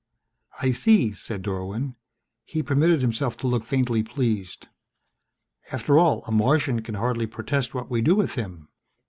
"I see," said Dorwin. He permitted himself to look faintly pleased. "After all, a Martian can hardly protest what we do with him.